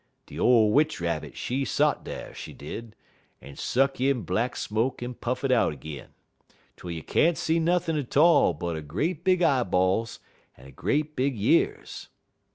De ole Witch Rabbit she sot dar, she did, en suck in black smoke en puff it out 'g'in, twel you can't see nothin' 't all but 'er great big eyeballs en 'er great big years.